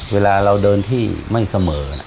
เวลาเราเดินที่ไม่เสมอ